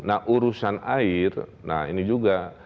nah urusan air nah ini juga